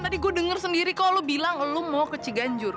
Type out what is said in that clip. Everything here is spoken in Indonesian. tadi gue denger sendiri kok lo bilang lo mau ke ciganjur